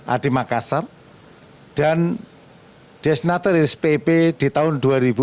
ada makassar dan desnateris pip di tahun dua ribu dua puluh satu